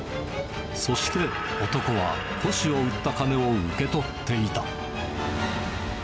そして、男は古紙を売った金を受け取っていた。